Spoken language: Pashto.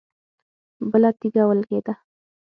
بله تيږه ولګېده.